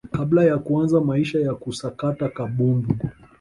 kabla ya kuanza maisha ya kusakata kabumbu